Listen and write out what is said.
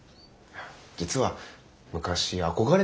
実は昔憧れてたんで。